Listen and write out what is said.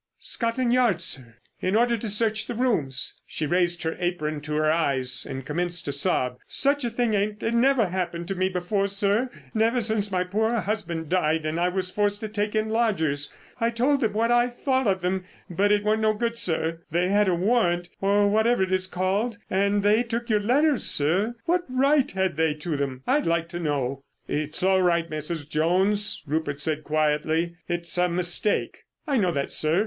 "Scotland Yard, sir. In order to search the rooms." She raised her apron to her eyes and commenced to sob. "Such a thing ain't never happened to me before, sir, never since my poor husband died and I was forced to take in lodgers. I told them what I thought of them, but it weren't no good, sir. They had a warrant, or whatever it's called.... And they took your letters, sir. What right had they to them, I'd like to know." "It's all right, Mrs. Jones," Rupert said quietly. "It's a mistake." "I know that, sir.